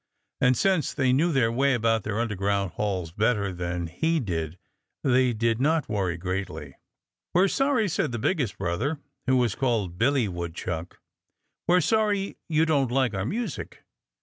And since they knew their way about their underground halls better than he did they did not worry greatly. "We're sorry " said the biggest brother, who was called Billy Woodchuck "we're sorry you don't like our music.